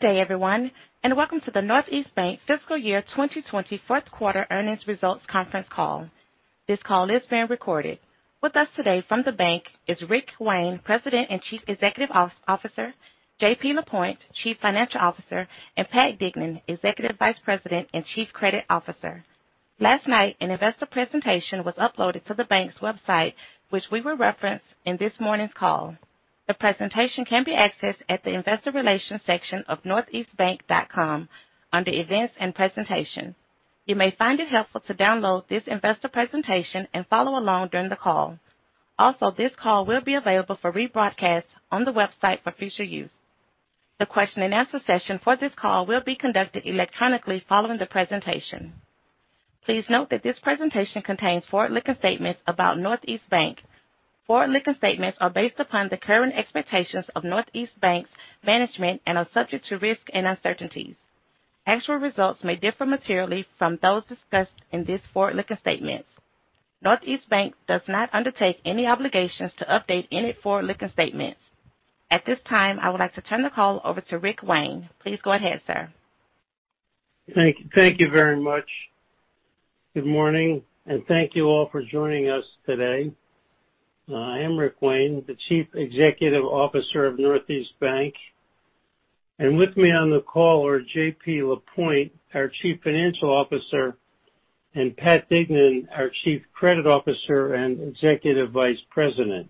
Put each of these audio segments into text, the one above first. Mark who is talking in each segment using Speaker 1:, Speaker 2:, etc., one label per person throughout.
Speaker 1: Good day everyone, welcome to the Northeast Bank Fiscal Year 2020 Fourth Quarter Earnings Results Conference Call. This call is being recorded. With us today from the bank is Rick Wayne, President and Chief Executive Officer, JP Lapointe, Chief Financial Officer, and Pat Dignan, Executive Vice President and Chief Credit Officer. Last night, an investor presentation was uploaded to the bank's website, which we will reference in this morning's call. The presentation can be accessed at the investor relations section of northeastbank.com under events and presentations. You may find it helpful to download this investor presentation and follow along during the call. Also, this call will be available for rebroadcast on the website for future use. The question and answer session for this call will be conducted electronically following the presentation. Please note that this presentation contains forward-looking statements about Northeast Bank. Forward-looking statements are based upon the current expectations of Northeast Bank's management and are subject to risk and uncertainties. Actual results may differ materially from those discussed in these forward-looking statements. Northeast Bank does not undertake any obligations to update any forward-looking statements. At this time, I would like to turn the call over to Rick Wayne. Please go ahead, Sir.
Speaker 2: Thank you very much. Good morning. Thank you all for joining us today. I am Rick Wayne, the Chief Executive Officer of Northeast Bank. With me on the call are JP Lapointe, our Chief Financial Officer, and Pat Dignan, our Chief Credit Officer and Executive Vice President.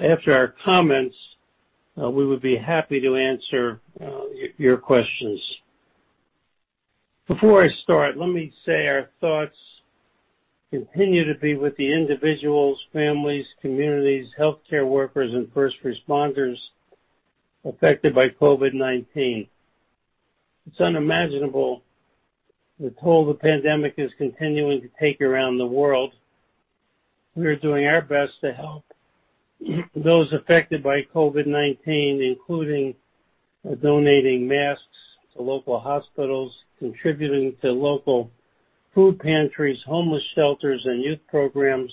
Speaker 2: After our comments, we would be happy to answer your questions. Before I start, let me say our thoughts continue to be with the individuals, families, communities, healthcare workers, and first responders affected by COVID-19. It's unimaginable the toll the pandemic is continuing to take around the world. We are doing our best to help those affected by COVID-19, including donating masks to local hospitals, contributing to local food pantries, homeless shelters, and youth programs.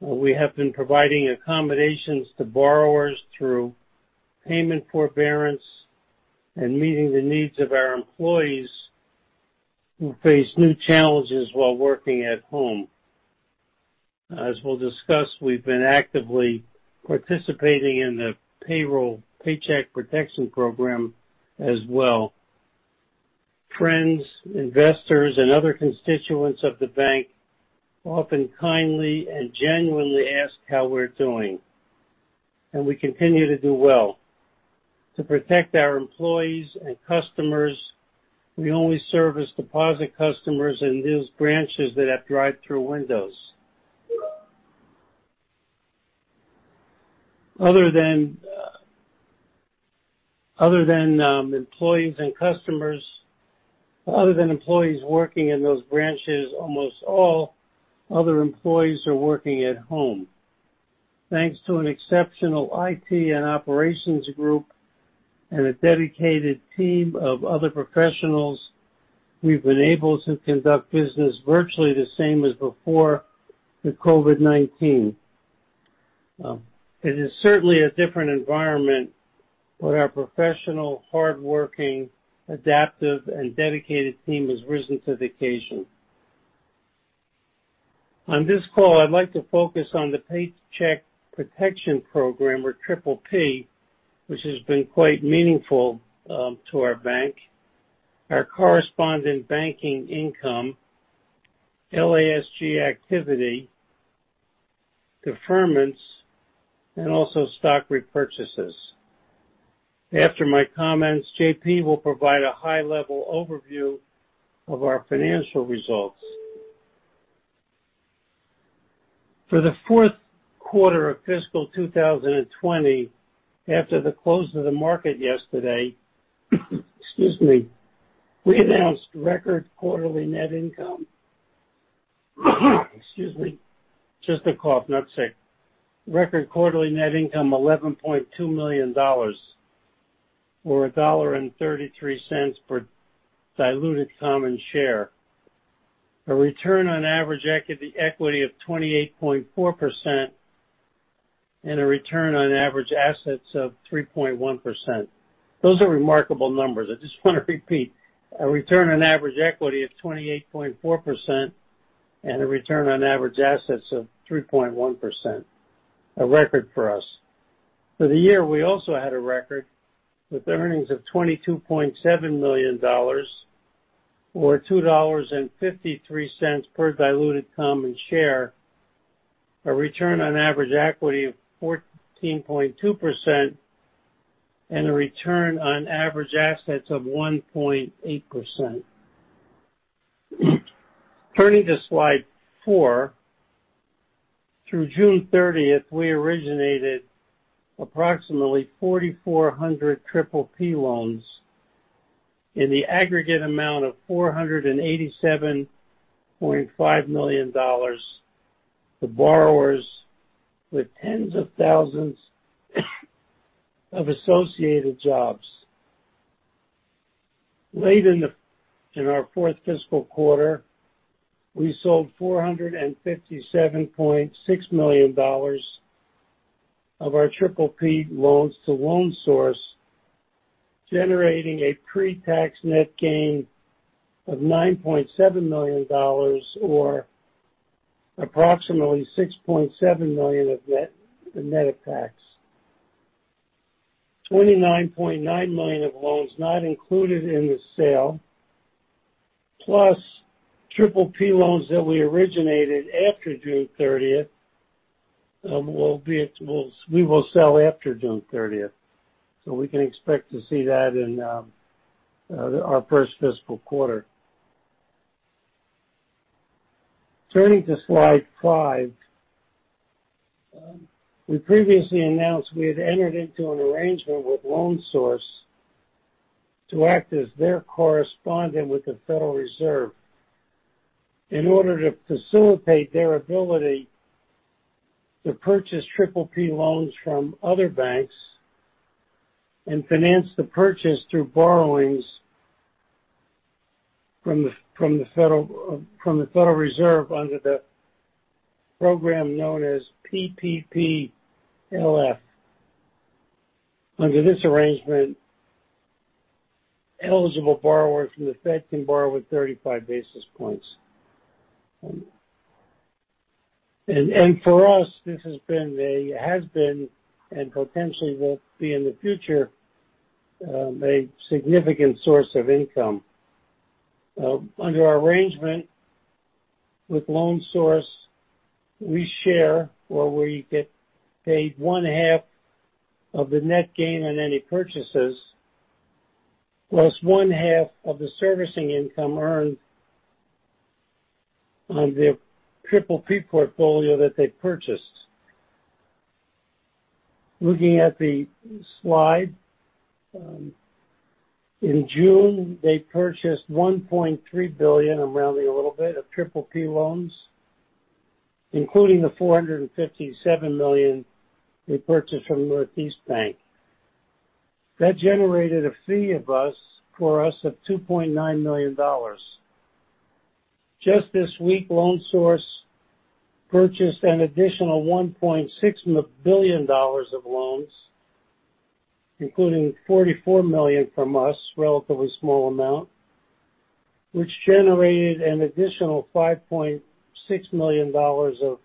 Speaker 2: We have been providing accommodations to borrowers through payment forbearance and meeting the needs of our employees who face new challenges while working at home. As we'll discuss, we've been actively participating in the payroll Paycheck Protection Program as well. Friends, investors, and other constituents of the bank often kindly and genuinely ask how we're doing, and we continue to do well. To protect our employees and customers, we only serve as deposit customers in those branches that have drive-through windows. Other than employees working in those branches, almost all other employees are working at home. Thanks to an exceptional IT and operations group and a dedicated team of other professionals, we've been able to conduct business virtually the same as before the COVID-19. It is certainly a different environment, but our professional, hardworking, adaptive, and dedicated team has risen to the occasion. On this call, I'd like to focus on the Paycheck Protection Program, or PPP, which has been quite meaningful to our bank, our correspondent banking income, LASG activity, deferments, and also stock repurchases. After my comments, JP will provide a high-level overview of our financial results. For the fourth quarter of fiscal 2020, after the close of the market yesterday, excuse me, we announced record quarterly net income. Excuse me. Just a cough, not sick. Record quarterly net income $11.2 million, or $1.33 per diluted common share. A return on average equity of 28.4% and a return on average assets of 3.1%. Those are remarkable numbers. I just want to repeat, a return on average equity of 28.4% and a return on average assets of 3.1%, a record for us. For the year, we also had a record with earnings of $22.7 million, or $2.53 per diluted common share, a return on average equity of 14.2%, and a return on average assets of 1.8%. Turning to slide four. Through June 30th, we originated approximately 4,400 PPP loans in the aggregate amount of $487.5 million to borrowers with 10s of thousands of associated jobs. Late in our fourth fiscal quarter, we sold $457.6 million of our PPP loans to Loan Source, generating a pre-tax net gain of $9.7 million or approximately $6.7 million of net of tax. $29.9 million of loans not included in the sale, plus PPP loans that we originated after June 30th, we will sell after June 30th, we can expect to see that in our first fiscal quarter. Turning to slide five. We previously announced we had entered into an arrangement with Loan Source to act as their correspondent with the Federal Reserve in order to facilitate their ability to purchase PPP loans from other banks and finance the purchase through borrowings from the Federal Reserve under the program known as PPPLF. Under this arrangement, eligible borrowers from the Fed can borrow at 35 basis points. For us, this has been, and potentially will be in the future, a significant source of income. Under our arrangement with Loan Source, we share, or we get paid 1/2 of the net gain on any purchases, plus 1/2 of the servicing income earned on their PPP portfolio that they purchased. Looking at the slide. In June, they purchased $1.3 billion, I'm rounding a little bit, of PPP loans, including the $457 million they purchased from Northeast Bank. That generated a fee for us of $2.9 million. Just this week, Loan Source purchased an additional $1.6 billion of loans, including $44 million from us, relatively small amount, which generated an additional $5.6 million of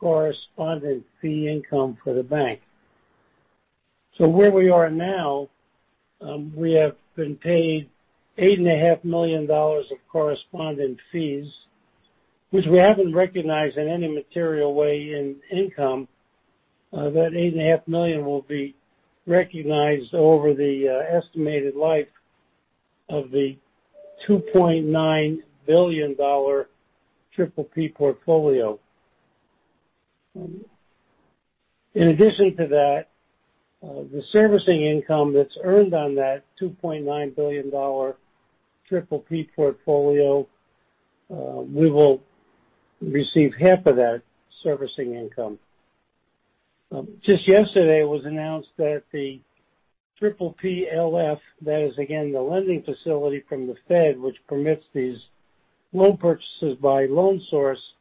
Speaker 2: correspondent fee income for the bank. Where we are now, we have been paid $8.5 million of correspondent fees, which we haven't recognized in any material way in income. That $8.5 million will be recognized over the estimated life of the $2.9 billion PPP portfolio. In addition to that, the servicing income that's earned on that $2.9 billion PPP portfolio, we will receive 1/2 of that servicing income. Just yesterday, it was announced that the PPPLF, that is again the lending facility from the Fed which permits these loan purchases by Loan Source,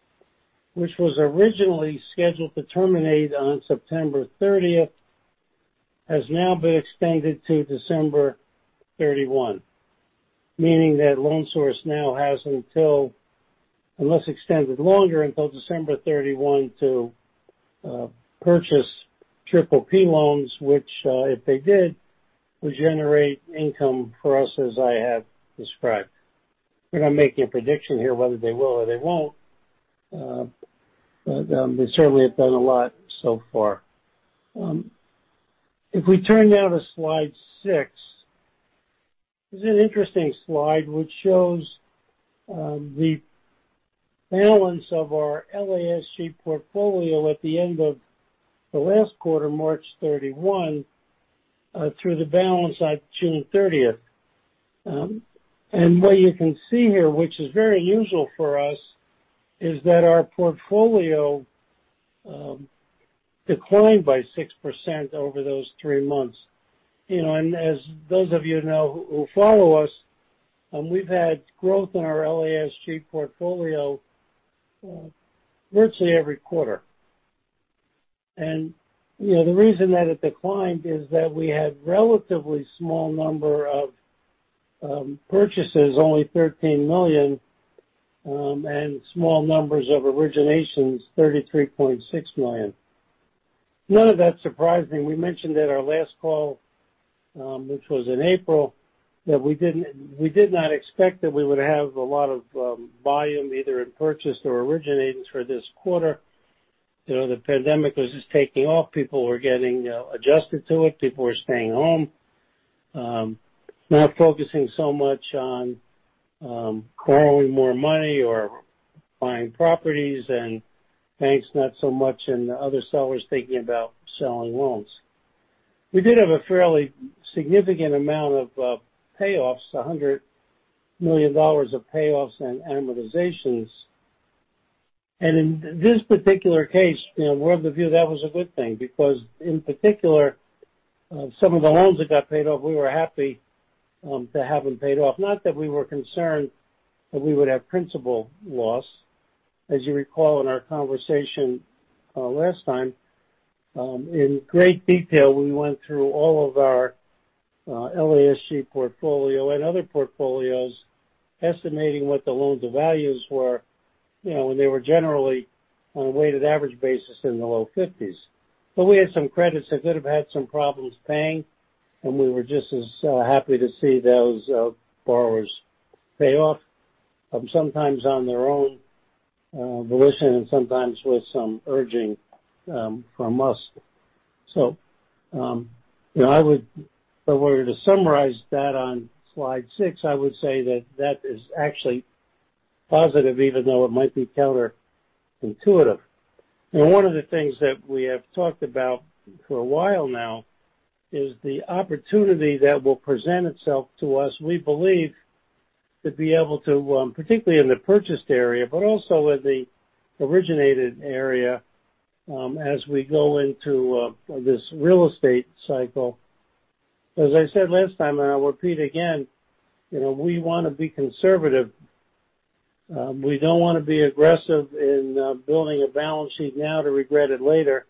Speaker 2: which was originally scheduled to terminate on September 30th, has now been extended to December 31. Meaning that Loan Source now has until, unless extended longer, until December 31 to purchase PPP loans, which, if they did, would generate income for us as I have described. We're not making a prediction here whether they will or they won't, but they certainly have done a lot so far. If we turn now to slide six. This is an interesting slide which shows the balance of our LASG portfolio at the end of the last quarter, March 31, through the balance at June 30th. What you can see here, which is very usual for us, is that our portfolio declined by 6% over those three months. As those of you know who follow us, we've had growth in our LASG portfolio virtually every quarter. The reason that it declined is that we had relatively small number of purchases, only $13 million, and small numbers of originations, $33.6 million. None of that's surprising. We mentioned at our last call, which was in April, that we did not expect that we would have a lot of volume either in purchase or originations for this quarter. The pandemic was just taking off. People were getting adjusted to it. People were staying home, not focusing so much on borrowing more money or buying properties and banks, not so much, and other sellers thinking about selling loans. We did have a fairly significant amount of payoffs, $100 million of payoffs and amortizations. In this particular case, we're of the view that was a good thing because, in particular, some of the loans that got paid off, we were happy to have them paid off. Not that we were concerned that we would have principal loss. As you recall in our conversation last time, in great detail, we went through all of our LASG portfolio and other portfolios estimating what the loan-to-values were. They were generally on a weighted average basis in the low 50s. We had some credits that could have had some problems paying, and we were just as happy to see those borrowers pay off, sometimes on their own volition and sometimes with some urging from us. If I were to summarize that on slide six, I would say that that is actually positive, even though it might be counterintuitive. One of the things that we have talked about for a while now is the opportunity that will present itself to us, we believe, to be able to, particularly in the purchased area, but also in the originated area, as we go into this real estate cycle. As I said last time, and I'll repeat again, we want to be conservative. We don't want to be aggressive in building a balance sheet now to regret it later.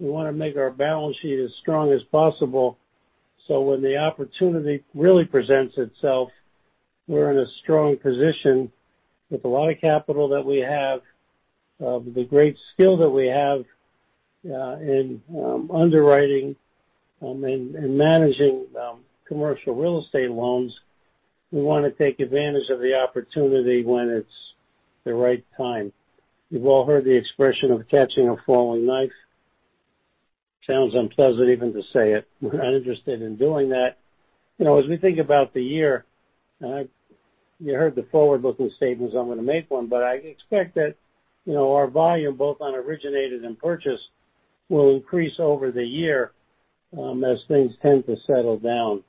Speaker 2: We want to make our balance sheet as strong as possible, so when the opportunity really presents itself, we're in a strong position with a lot of capital that we have, the great skill that we have in underwriting and managing commercial real estate loans. We want to take advantage of the opportunity when it's the right time. You've all heard the expression of catching a falling knife. Sounds unpleasant even to say it. We're not interested in doing that. As we think about the year, you heard the forward-looking statements, I'm going to make one. I expect that our volume, both on originated and purchased, will increase over the year as things tend to settle down.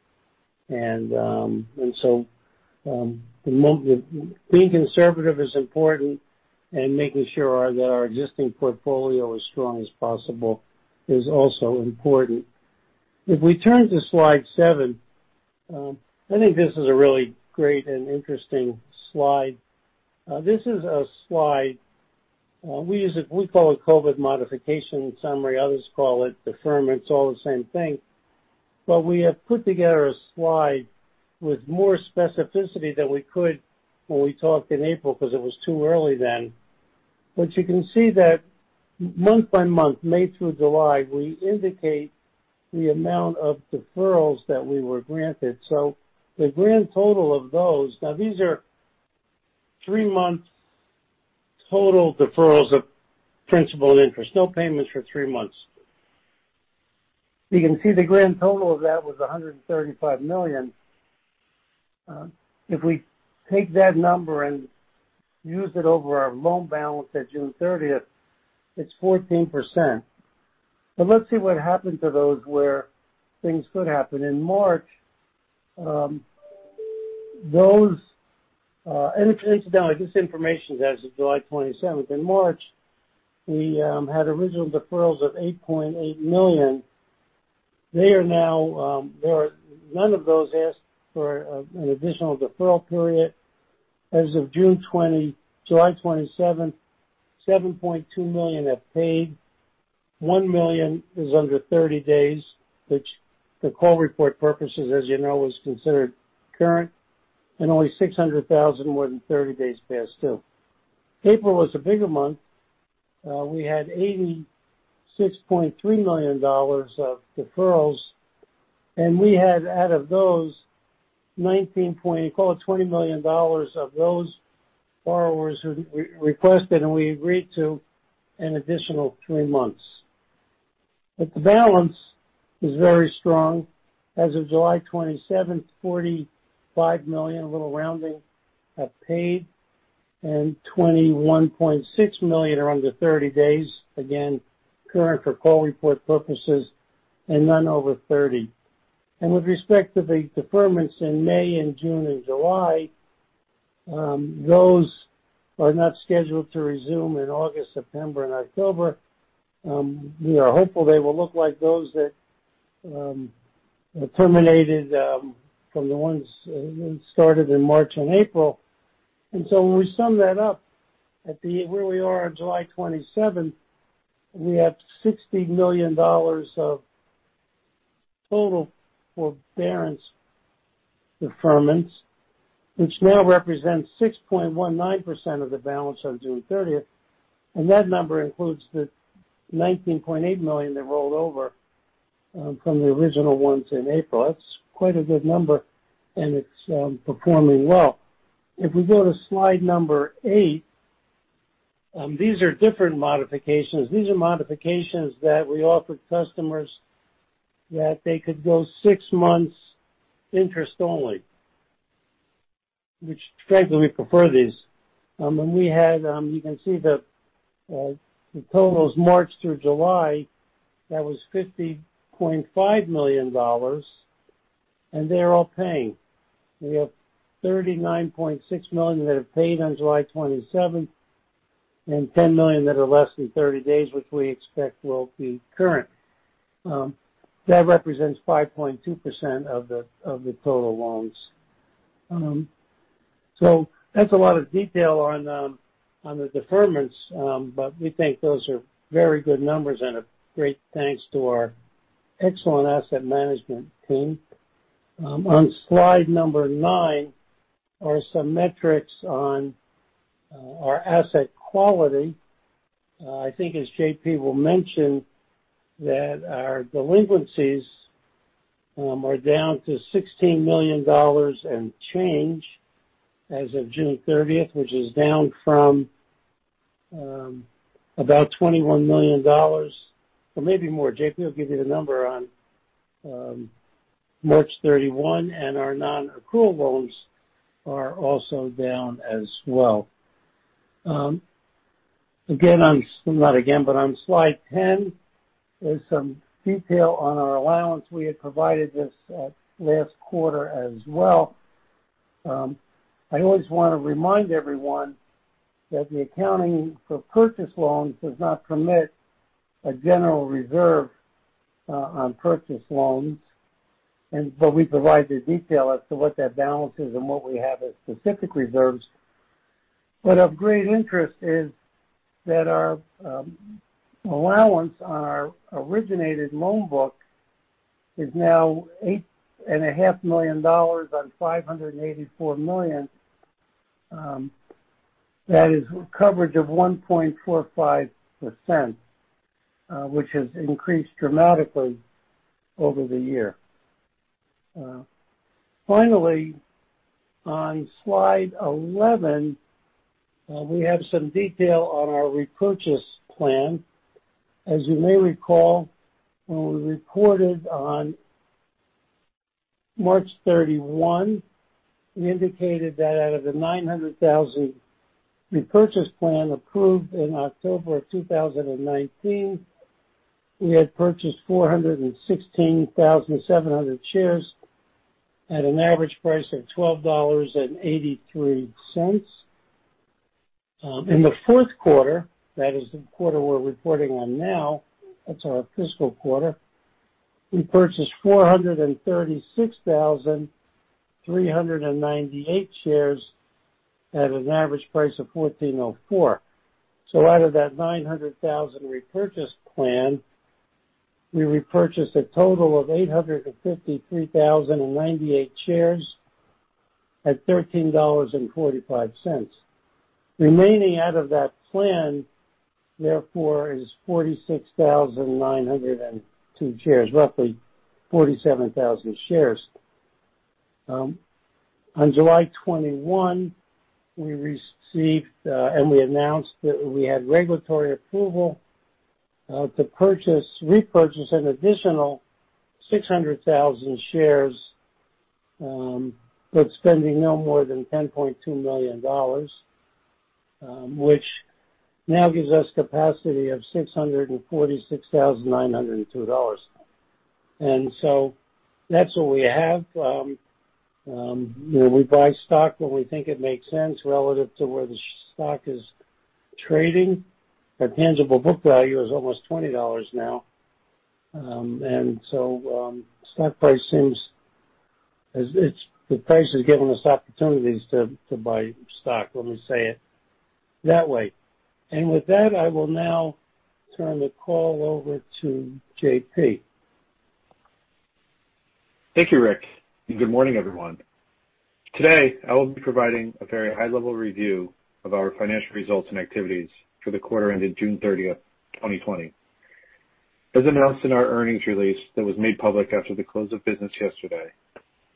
Speaker 2: Being conservative is important and making sure that our existing portfolio is strong as possible is also important. If we turn to slide seven, I think this is a really great and interesting slide. This is a slide, we call it COVID modification summary. Others call it deferment. It's all the same thing. We have put together a slide with more specificity than we could when we talked in April because it was too early then. You can see that month by month, May through July, we indicate the amount of deferrals that we were granted. The grand total of those. Now, these are three-month total deferrals of principal and interest. No payments for three months. You can see the grand total of that was $135 million. If we take that number and use it over our loan balance at June 30th, it's 14%. Let's see what happened to those where things could happen. In March, and incidentally, this information is as of July 27th. In March, we had original deferrals of $8.8 million. None of those asked for an additional deferral period. As of July 27th, $7.2 million have paid, $1 million is under 30 days, which for call report purposes, as you know, is considered current, and only $600,000 more than 30 days past due. April was a bigger month. We had $86.3 million of deferrals, and we had out of those [19.4], call it $20 million of those borrowers who requested, and we agreed to an additional three months. The balance is very strong. As of July 27th, $45 million, a little rounding, have paid, and $21.6 million are under 30 days. Again, current for call report purposes and none over 30. With respect to the deferments in May and June and July, those are not scheduled to resume in August, September, and October. We are hopeful they will look like those that terminated from the ones that started in March and April. When we sum that up at where we are on July 27th, we have $60 million of total forbearance deferments, which now represents 6.19% of the balance on June 30th. That number includes the $19.8 million that rolled over from the original ones in April. That's quite a good number, and it's performing well. If we go to slide number eight, these are different modifications. These are modifications that we offered customers that they could go six months interest only, which frankly, we prefer these. You can see the total is March through July, that was $50.5 million. They're all paying. We have $39.6 million that have paid on July 27th, and $10 million that are less than 30 days, which we expect will be current. That represents 5.2% of the total loans. That's a lot of detail on the deferments, but we think those are very good numbers and a great thanks to our excellent asset management team. On slide number nine are some metrics on our asset quality. I think as JP will mention, that our delinquencies are down to $16 million and change as of June 30, which is down from about $21 million, or maybe more. JP will give you the number on March 31, and our non-accrual loans are also down as well. On slide 10, there's some detail on our allowance. We had provided this last quarter as well. I always want to remind everyone that the accounting for purchase loans does not permit a general reserve on purchase loans. We provide the detail as to what that balance is and what we have as specific reserves. Of great interest is that our allowance on our originated loan book is now $8.5 million on $584 million. That is coverage of 1.45%, which has increased dramatically over the year. Finally, on slide 11, we have some detail on our repurchase plan. As you may recall, when we reported on March 31, we indicated that out of the 900,000 repurchase plan approved in October of 2019, we had purchased 416,700 shares at an average price of $12.83. In the fourth quarter, that is the quarter we're reporting on now, that's our fiscal quarter, we purchased 436,398 shares at an average price of $14.04. Out of that 900,000 repurchase plan, we repurchased a total of 853,098 shares at $13.45. Remaining out of that plan, therefore, is 46,902 shares, roughly 47,000 shares. On July 21, we received, and we announced that we had regulatory approval, to purchase, repurchase an additional 600,000 shares, but spending no more than $10.2 million, which now gives us capacity of $646,902. That's what we have. We buy stock when we think it makes sense relative to where the stock is trading. Our tangible book value is almost $20 now. Stock price seems as the price is giving us opportunities to buy stock, let me say it that way. With that, I will now turn the call over to JP.
Speaker 3: Thank you, Rick, and good morning, everyone. Today, I will be providing a very high-level review of our financial results and activities for the quarter ended June 30th, 2020. As announced in our earnings release that was made public after the close of business yesterday,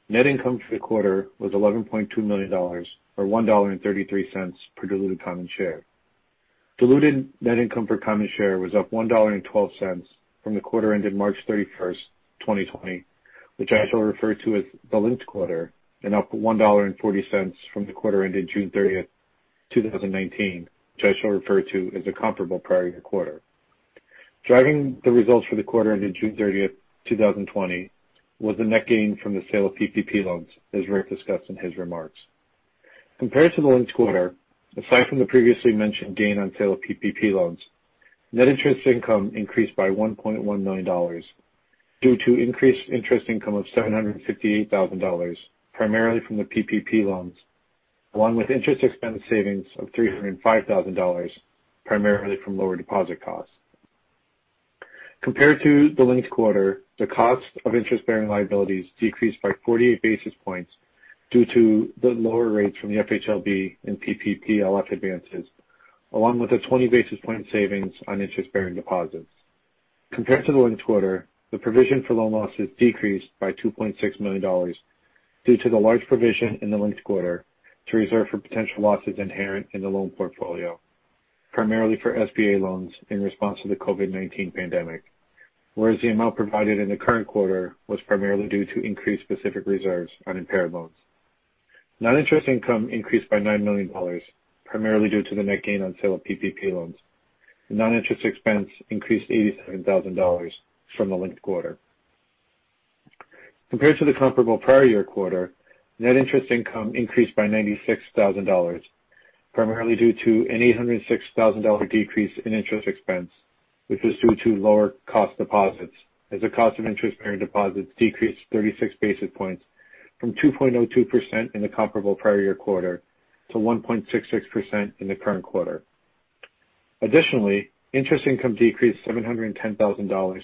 Speaker 3: net income for the quarter was $11.2 million, or $1.33 per diluted common share. Diluted net income per common share was up $1.12 from the quarter ended March 31st, 2020, which I shall refer to as the linked quarter, and up $1.40 from the quarter ended June 30th, 2019, which I shall refer to as the comparable prior year quarter. Driving the results for the quarter ended June 30th, 2020 was the net gain from the sale of PPP loans, as Rick discussed in his remarks. Compared to the linked quarter, aside from the previously mentioned gain on sale of PPP loans, net interest income increased by $1.1 million due to increased interest income of $758,000, primarily from the PPP loans, along with interest expense savings of $305,000, primarily from lower deposit costs. Compared to the linked quarter, the cost of interest-bearing liabilities decreased by 48 basis points due to the lower rates from the FHLB and PPPLF advances, along with a 20 basis point savings on interest-bearing deposits. Compared to the linked quarter, the provision for loan losses decreased by $2.6 million due to the large provision in the linked quarter to reserve for potential losses inherent in the loan portfolio, primarily for SBA loans in response to the COVID-19 pandemic, whereas the amount provided in the current quarter was primarily due to increased specific reserves on impaired loans. Non-interest income increased by $9 million, primarily due to the net gain on sale of PPP loans. Non-interest expense increased $87,000 from the linked quarter. Compared to the comparable prior year quarter, net interest income increased by $96,000, primarily due to an $806,000 decrease in interest expense, which was due to lower cost deposits as the cost of interest-bearing deposits decreased 36 basis points from 2.02% in the comparable prior year quarter to 1.66% in the current quarter. Additionally, interest income decreased $710,000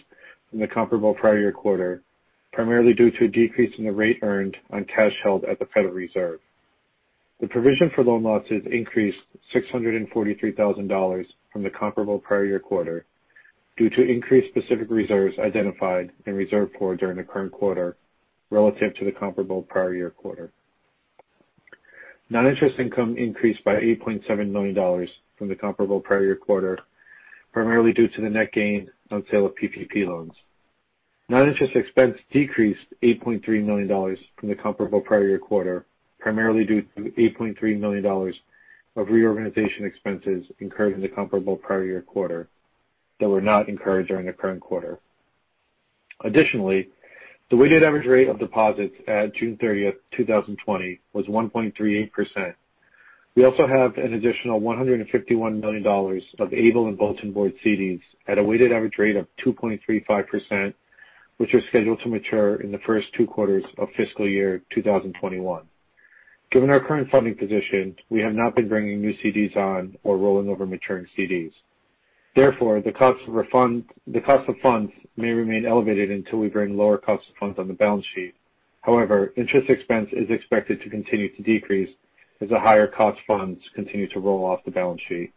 Speaker 3: from the comparable prior year quarter, primarily due to a decrease in the rate earned on cash held at the Federal Reserve. The provision for loan losses increased $643,000 from the comparable prior year quarter due to increased specific reserves identified in reserve for during the current quarter relative to the comparable prior year quarter. Non-interest income increased by $8.7 million from the comparable prior year quarter, primarily due to the net gain on sale of PPP loans. Non-interest expense decreased $8.3 million from the comparable prior year quarter, primarily due to $8.3 million of reorganization expenses incurred in the comparable prior year quarter that were not incurred during the current quarter. Additionally, the weighted average rate of deposits at June 30th, 2020, was 1.38%. We also have an additional $151 million of ableBanking and bulletin board CDs at a weighted average rate of 2.35%, which are scheduled to mature in the first two quarters of fiscal year 2021. Given our current funding position, we have not been bringing new CDs on or rolling over maturing CDs. Therefore, the cost of funds may remain elevated until we bring lower cost of funds on the balance sheet. However, interest expense is expected to continue to decrease as the higher cost funds continue to roll off the balance sheet.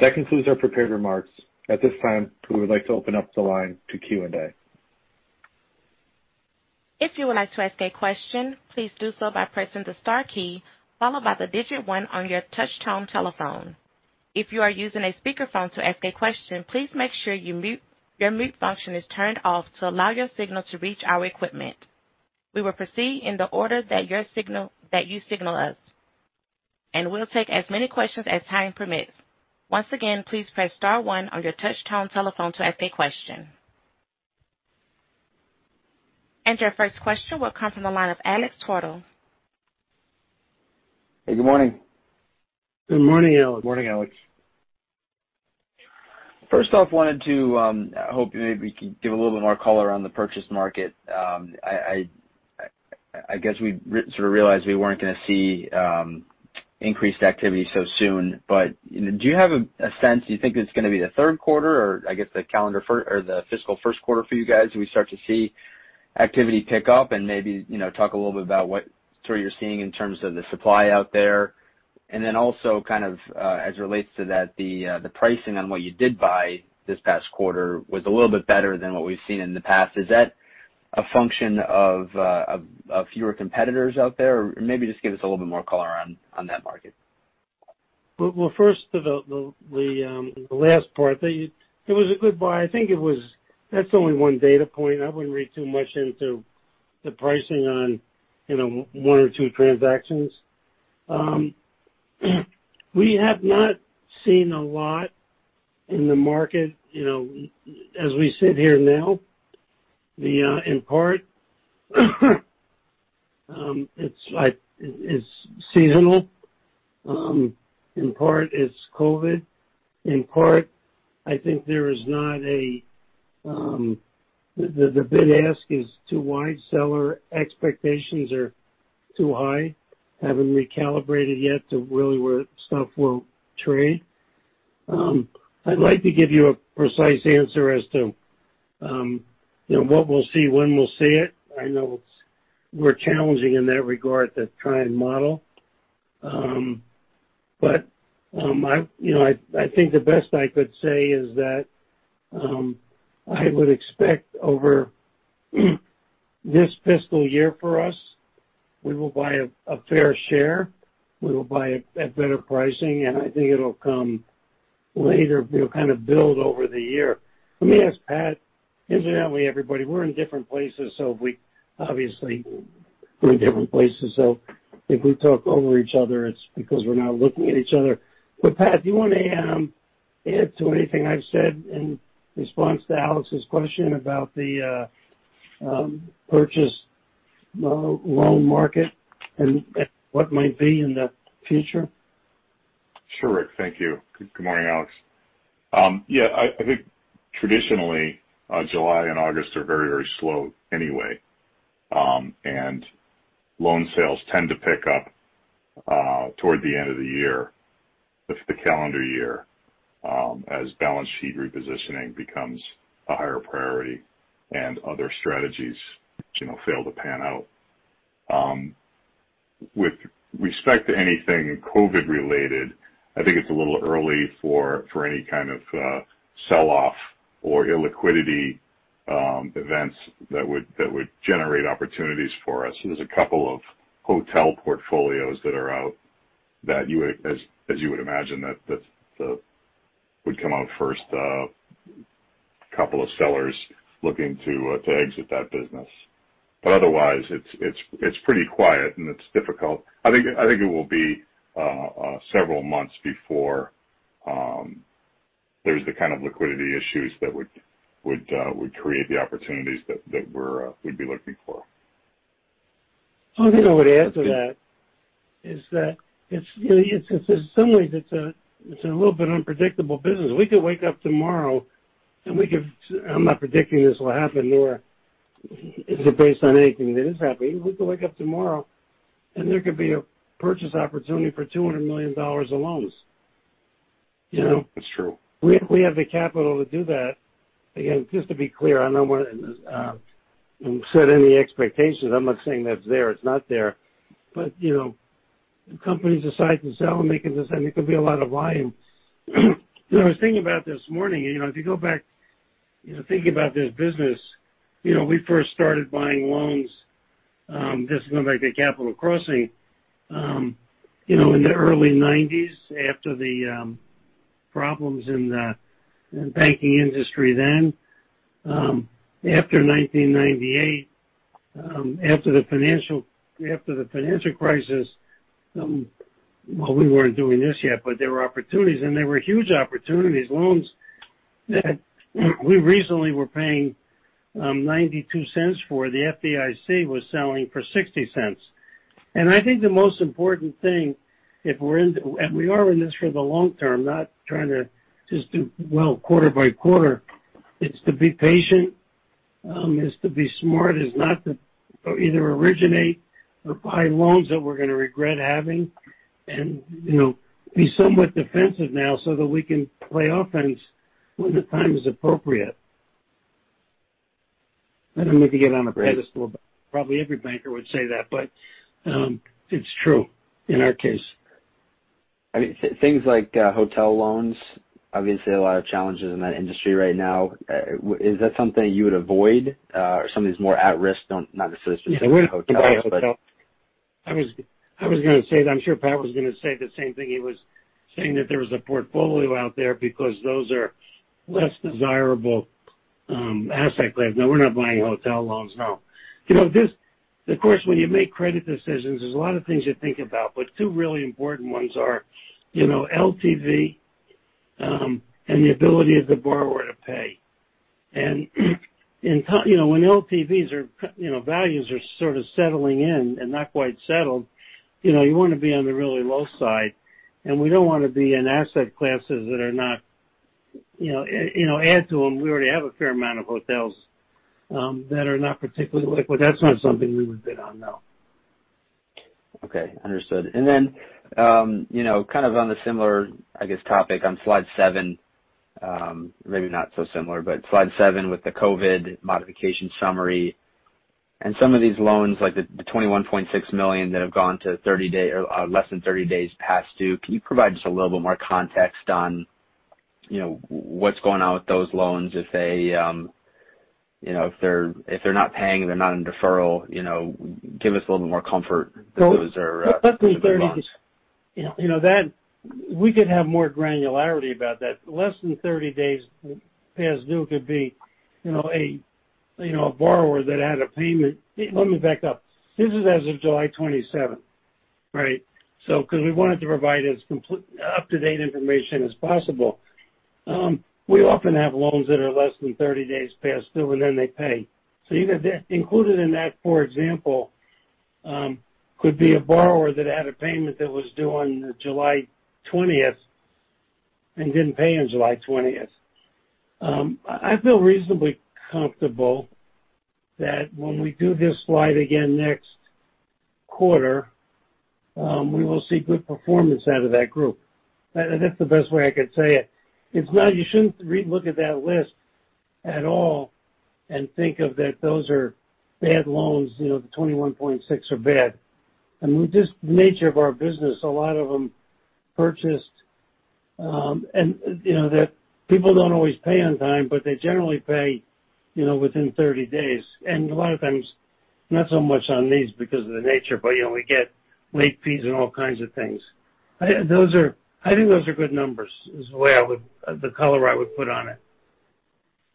Speaker 3: That concludes our prepared remarks. At this time, we would like to open up the line to Q&A.
Speaker 1: If you would like to ask a question, please do so by pressing the star key followed by the digit one on your touchtone telephone. If you are using a speakerphone to ask a question, please make sure your mute function is turned off to allow your signal to reach our equipment. We will proceed in the order that you signal us, and we'll take as many questions as time permits. Once again, please press star one on your touchtone telephone to ask a question. Your first question will come from the line of Alex Twerdahl.
Speaker 4: Hey, good morning.
Speaker 2: Good morning, Alex.
Speaker 3: Morning, Alex.
Speaker 4: First off, wanted to hope maybe we could give a little bit more color on the purchase market. I guess we sort of realized we weren't going to see increased activity so soon, but do you have a sense, do you think it's going to be the third quarter or I guess the fiscal first quarter for you guys, we start to see activity pick up and maybe talk a little bit about what you're seeing in terms of the supply out there. Also kind of, as it relates to that, the pricing on what you did buy this past quarter was a little bit better than what we've seen in the past. Is that a function of fewer competitors out there? Maybe just give us a little bit more color on that market.
Speaker 2: Well, first, the last part. It was a good buy. I think that's only one data point. I wouldn't read too much into the pricing on one or two transactions. We have not seen a lot in the market as we sit here now. In part, it's seasonal. In part, it's COVID. In part, I think the bid ask is too wide. Seller expectations are too high. Haven't recalibrated yet to really where stuff will trade. I'd like to give you a precise answer as to what we'll see, when we'll see it. I know we're challenging in that regard to try and model. I think the best I could say is that I would expect over this fiscal year for us, we will buy a fair share. We will buy at better pricing, and I think it'll come later. It'll kind of build over the year. Let me ask Pat. Incidentally, everybody, we're in different places, so if we talk over each other, it's because we're not looking at each other. Pat, do you want to add to anything I've said in response to Alex's question about the purchase loan market and what might be in the future?
Speaker 5: Sure, Rick. Thank you. Good morning, Alex. Yeah, I think traditionally, July and August are very slow anyway. Loan sales tend to pick up toward the end of the year, the calendar year as balance sheet repositioning becomes a higher priority and other strategies fail to pan out. With respect to anything COVID related, I think it's a little early for any kind of sell-off or illiquidity events that would generate opportunities for us. There's a couple of hotel portfolios that are out that as you would imagine that would come out first. A couple of sellers looking to exit that business. Otherwise, it's pretty quiet, and it's difficult. I think it will be several months before there's the kind of liquidity issues that would create the opportunities that we'd be looking for.
Speaker 2: I think I would add to that, is that, in some ways it's a little bit unpredictable business. We could wake up tomorrow, and I'm not predicting this will happen, nor is it based on anything that is happening. We could wake up tomorrow and there could be a purchase opportunity for $200 million of loans.
Speaker 5: That's true.
Speaker 2: We have the capital to do that. Again, just to be clear, I don't want to set any expectations. I'm not saying that it's there. It's not there. Companies decide to sell, and it could be a lot of volume. I was thinking about it this morning, if you go back, thinking about this business, we first started buying loans, this is going back to Capital Crossing, in the early 1990s, after the problems in the banking industry then. After 1998, after the financial crisis, well, we weren't doing this yet, but there were opportunities, and they were huge opportunities. Loans that we recently were paying $0.92 for, the FDIC was selling for $0.60. I think the most important thing, and we are in this for the long term, not trying to just do well quarter by quarter. It's to be patient, is to be smart, is not to either originate or buy loans that we're going to regret having. Be somewhat defensive now so that we can play offense when the time is appropriate. I don't mean to get on a pedestal, but probably every banker would say that, but, it's true in our case.
Speaker 4: Things like hotel loans, obviously a lot of challenges in that industry right now. Is that something you would avoid? Something that's more at risk, not necessarily specifically hotels.
Speaker 2: We wouldn't buy a hotel. I was going to say, I'm sure Pat was going to say the same thing. He was saying that there was a portfolio out there because those are less desirable asset claims. No, we're not buying hotel loans, no. Of course, when you make credit decisions, there's a lot of things you think about, but two really important ones are LTV, and the ability of the borrower to pay. When LTVs values are sort of settling in and not quite settled, you want to be on the really low side, and we don't want to be in asset classes that are not apt to them. We already have a fair amount of hotels, that are not particularly liquid. That's not something we would bid on, no.
Speaker 4: Okay, understood. Kind of on a similar, I guess, topic on slide seven, maybe not so similar. Slide seven with the COVID modification summary. Some of these loans, like the $21.6 million that have gone to less than 30 days past due. Can you provide just a little bit more context on what's going on with those loans if they're not paying and they're not in deferral, give us a little bit more comfort that those are good loans.
Speaker 2: We could have more granularity about that. Less than 30 days past due could be a borrower that had a payment. Let me back up. This is as of July 27th, right? We wanted to provide as up-to-date information as possible. We often have loans that are less than 30 days past due, and then they pay. Included in that, for example, could be a borrower that had a payment that was due on July 20th and didn't pay on July 20th. I feel reasonably comfortable that when we do this slide again next quarter, we will see good performance out of that group. That's the best way I could say it. If not, you shouldn't re-look at that list at all and think of that those are bad loans, the 21.6 are bad. With this nature of our business, a lot of them purchased, and that people don't always pay on time, but they generally pay within 30 days. A lot of times, not so much on these because of the nature, but we get late fees and all kinds of things. I think those are good numbers, is the color I would put on it.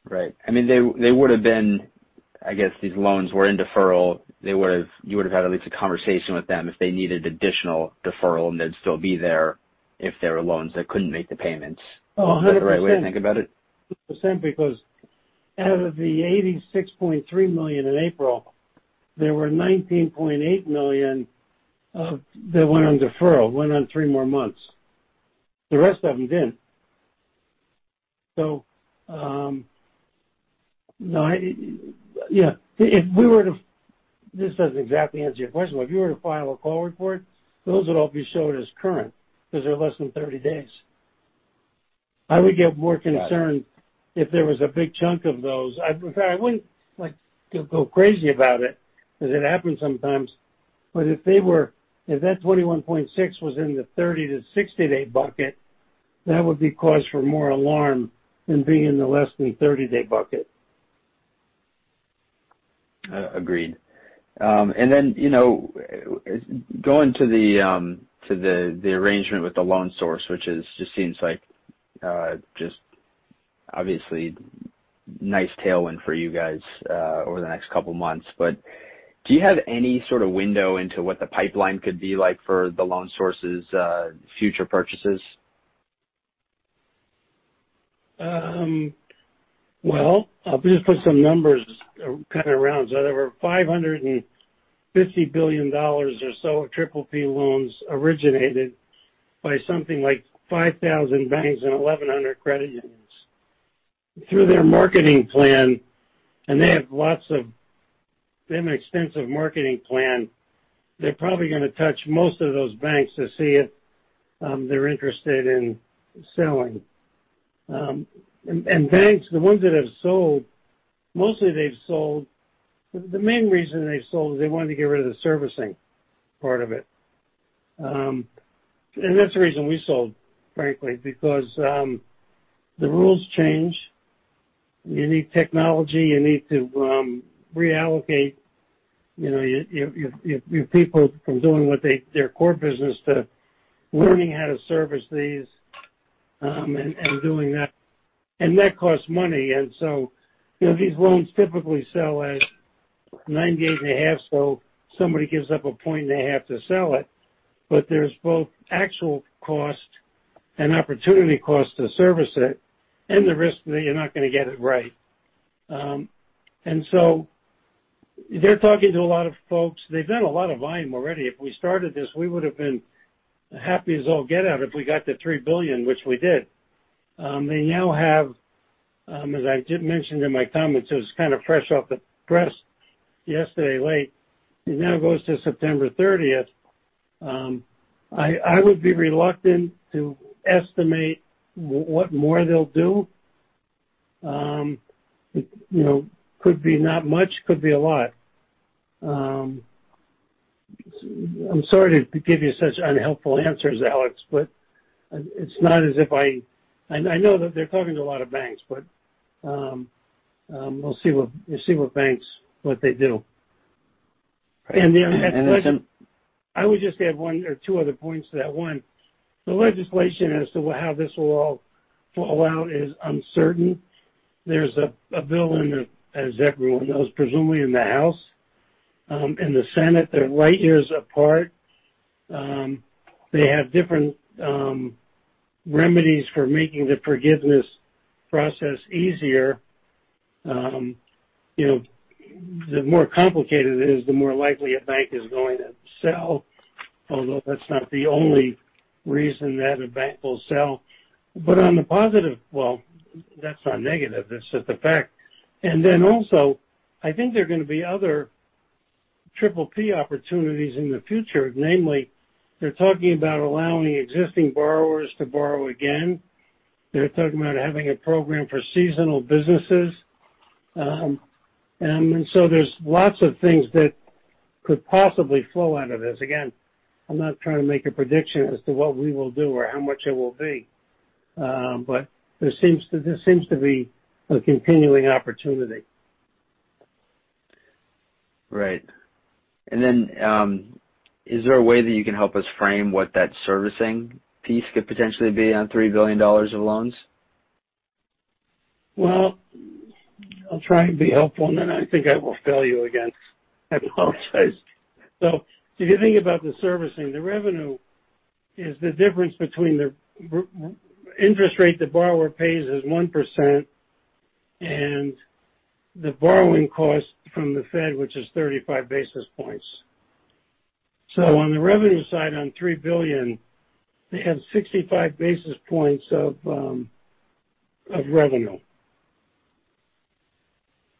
Speaker 4: Right. I guess these loans were in deferral. You would have had at least a conversation with them if they needed additional deferral, and they'd still be there if there were loans that couldn't make the payments.
Speaker 2: Oh, 100%.
Speaker 4: Is that the right way to think about it?
Speaker 2: 100%, because out of the $86.3 million in April, there were $19.8 million that went on deferral, went on three more months. The rest of them didn't. This doesn't exactly answer your question, if you were to file a call report, those would all be shown as current because they're less than 30 days. I would get more concerned if there was a big chunk of those. In fact, I wouldn't like to go crazy about it because it happens sometimes. If that 21.6 was in the 30 to 60-day bucket, that would be cause for more alarm than being in the less than 30-day bucket.
Speaker 4: Agreed. Then, going to the arrangement with The Loan Source, which just seems like obviously nice tailwind for you guys over the next couple of months, but do you have any sort of window into what the pipeline could be like for The Loan Source's future purchases?
Speaker 2: Well, I'll just put some numbers kind of around. There were $550 billion or so of PPP loans originated by something like 5,000 banks and 1,100 credit unions. Through their marketing plan, and they have an extensive marketing plan, they're probably going to touch most of those banks to see if they're interested in selling. Banks, the ones that have sold, the main reason they sold is they wanted to get rid of the servicing part of it. That's the reason we sold, frankly, because the rules change. You need technology. You need to reallocate your people from doing their core business to learning how to service these and doing that. That costs money, these loans typically sell at 98.5, so somebody gives up 1.5 points to sell it. There's both actual cost and opportunity cost to service it, and the risk that you're not going to get it right. They're talking to a lot of folks. They've done a lot of volume already. If we started this, we would've been happy as all get out if we got the $3 billion, which we did. They now have, as I did mention in my comments, it was kind of fresh off the press yesterday late. It now goes to September 30th. I would be reluctant to estimate what more they'll do. Could be not much, could be a lot. I'm sorry to give you such unhelpful answers, Alex. I know that they're talking to a lot of banks, but we'll see with banks what they do.
Speaker 4: Right.
Speaker 2: I would just add one or two other points to that. One, the legislation as to how this will all fall out is uncertain. There's a bill in the, as everyone knows, presumably in the House, in the Senate. They're light years apart. They have different remedies for making the forgiveness process easier. The more complicated it is, the more likely a bank is going to sell, although that's not the only reason that a bank will sell. On the positive Well, that's not negative. That's just a fact. Also, I think there are going to be other Triple P opportunities in the future, namely, they're talking about allowing existing borrowers to borrow again. They're talking about having a program for seasonal businesses. There's lots of things that could possibly flow out of this. Again, I'm not trying to make a prediction as to what we will do or how much it will be. This seems to be a continuing opportunity.
Speaker 4: Right. Is there a way that you can help us frame what that servicing piece could potentially be on $3 billion of loans?
Speaker 2: I'll try and be helpful, and then I think I will fail you again. I apologize. If you think about the servicing, the revenue is the difference between the interest rate the borrower pays is 1%, and the borrowing cost from the Fed, which is 35 basis points. On the revenue side, on $3 billion, they have 65 basis points of revenue.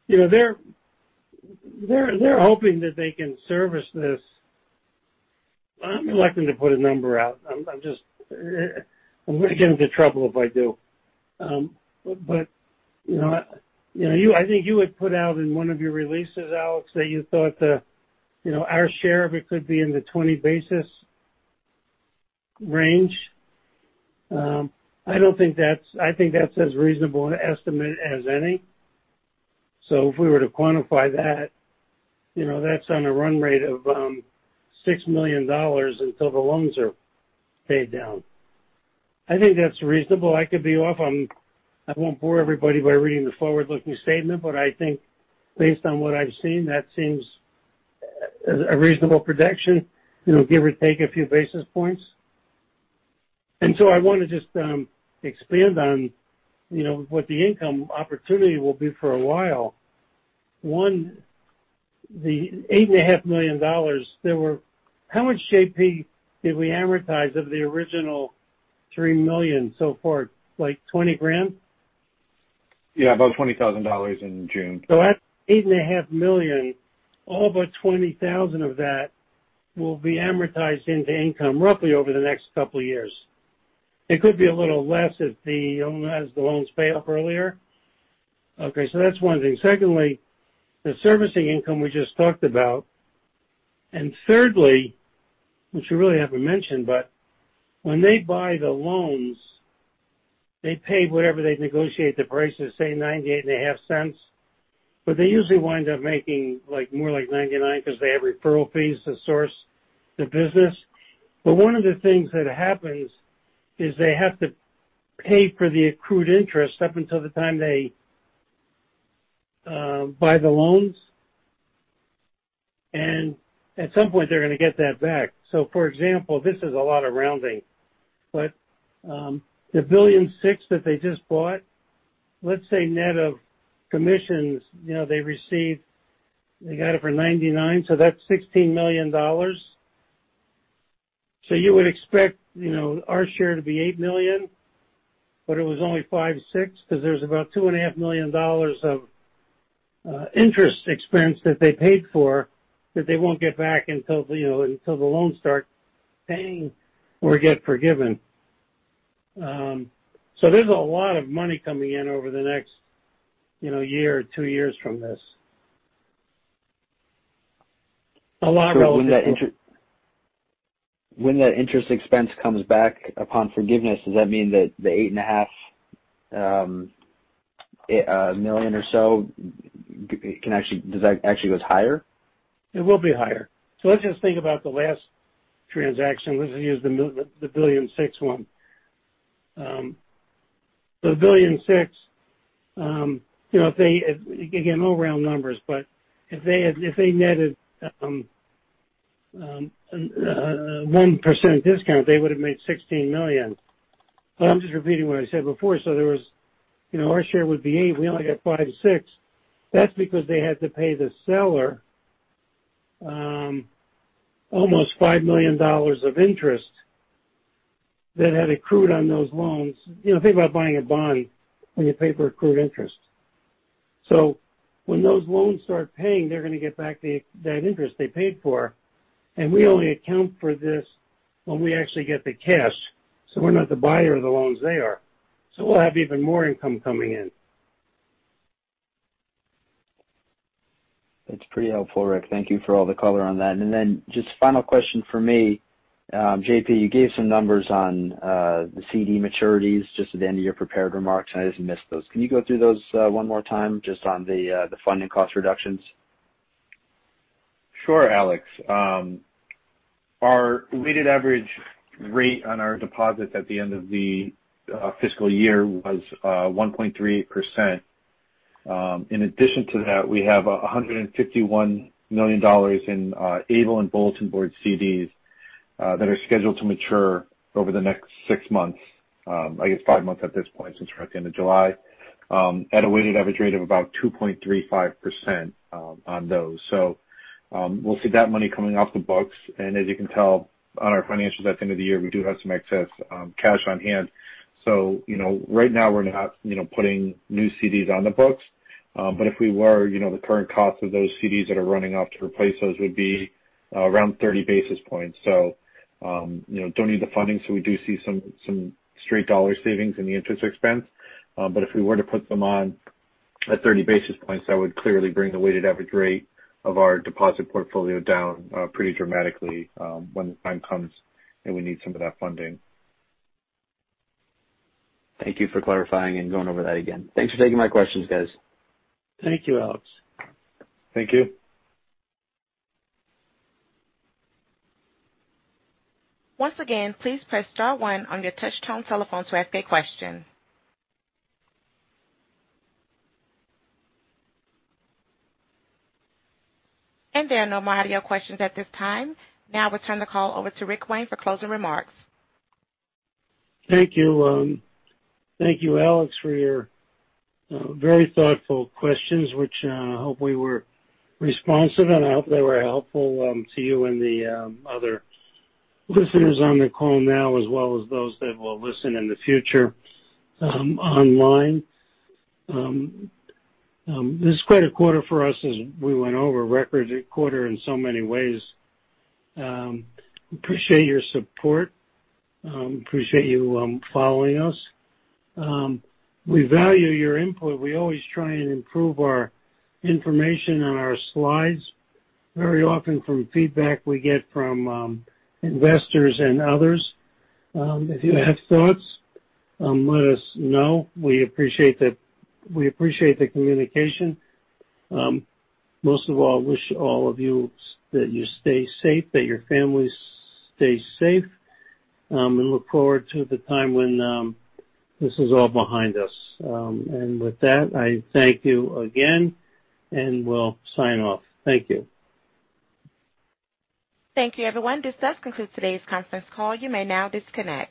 Speaker 2: They're hoping that they can service this. I'm reluctant to put a number out. I'm going to get into trouble if I do. I think you had put out in one of your releases, Alex, that you thought that our share of it could be in the 20 basis range. I think that's as reasonable an estimate as any. If we were to quantify that's on a run rate of $6 million until the loans are paid down. I think that's reasonable. I could be off on I won't bore everybody by reading the forward-looking statement, but I think based on what I've seen, that seems a reasonable prediction, give or take a few basis points. I want to just expand on what the income opportunity will be for a while. One, the $8.5 million. How much JP did we amortize of the original $3 million so far? Like $20,000?
Speaker 3: Yeah, about $20,000 in June.
Speaker 2: That's $8.5 million. All but $20,000 of that will be amortized into income roughly over the next couple of years. It could be a little less as the loans pay off earlier. Okay. That's one thing. Secondly, the servicing income we just talked about. Thirdly, which we really haven't mentioned, but when they buy the loans, they pay whatever they negotiate the price of, say $0.9850. They usually wind up making more like $0.99 because they have referral fees to source the business. One of the things that happens is they have to pay for the accrued interest up until the time they buy the loans. At some point, they're going to get that back. For example, this is a lot of rounding. The $1.6 billion that they just bought, let's say net of commissions, they got it for 99%, so that's $16 million. You would expect our share to be $8 million, but it was only $5.6 million because there's about $2.5 million of interest expense that they paid for that they won't get back until the loans start paying or get forgiven. There's a lot of money coming in over the next year or two years from this.
Speaker 4: When that interest expense comes back upon forgiveness, does that mean that the $8.5 million or so actually goes higher?
Speaker 2: It will be higher. Let's just think about the last transaction. Let's use the $1.6 billion one. The $1.6 billion, again, no round numbers, but if they netted a 1% discount, they would have made $16 million. I'm just repeating what I said before. Our share would be $8 million, and we only got $5.6 million. That's because they had to pay the seller almost $5 million of interest that had accrued on those loans. Think about buying a bond when you pay for accrued interest. When those loans start paying, they're going to get back that interest they paid for. We only account for this when we actually get the cash. We're not the buyer of the loans, they are. We'll have even more income coming in.
Speaker 4: That's pretty helpful, Rick. Thank you for all the color on that. Then just final question from me. JP, you gave some numbers on the CD maturities just at the end of your prepared remarks, and I just missed those. Can you go through those one more time, just on the funding cost reductions?
Speaker 3: Sure, Alex. Our weighted average rate on our deposits at the end of the fiscal year was 1.38%. In addition to that, we have $151 million in able and bulletin board CDs that are scheduled to mature over the next six months. I guess five months at this point, since we're at the end of July, at a weighted average rate of about 2.35% on those. We'll see that money coming off the books. As you can tell on our financials at the end of the year, we do have some excess cash on hand. Right now, we're not putting new CDs on the books. If we were, the current cost of those CDs that are running off to replace those would be around 30 basis points. Don't need the funding, so we do see some straight dollar savings in the interest expense. If we were to put them on at 30 basis points, that would clearly bring the weighted average rate of our deposit portfolio down pretty dramatically when the time comes and we need some of that funding.
Speaker 4: Thank you for clarifying and going over that again. Thanks for taking my questions, guys.
Speaker 2: Thank you, Alex.
Speaker 3: Thank you.
Speaker 1: Once again, please press star one on your touchtone telephone to ask a question. There are no more audio questions at this time. Now I will turn the call over to Rick Wayne for closing remarks.
Speaker 2: Thank you, Alex, for your very thoughtful questions, which I hope we were responsive. I hope they were helpful to you and the other listeners on the call now, as well as those that will listen in the future online. This was quite a quarter for us as we went over. Record quarter in so many ways. Appreciate your support. Appreciate you following us. We value your input. We always try and improve our information on our slides very often from feedback we get from investors and others. If you have thoughts, let us know. We appreciate the communication. Most of all, I wish all of you that you stay safe, that your families stay safe. We look forward to the time when this is all behind us. With that, I thank you again, and we'll sign off. Thank you.
Speaker 1: Thank you, everyone. This does conclude today's conference call. You may now disconnect.